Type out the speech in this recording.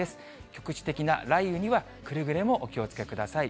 局地的な雷雨にはくれぐれもお気をつけください。